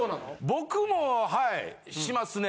僕もはいしますね。